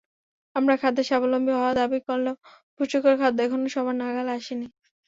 আমরা খাদ্যে স্বাবলম্বী হওয়ার দাবি করলেও পুষ্টিকর খাদ্য এখনো সবার নাগালে আসেনি।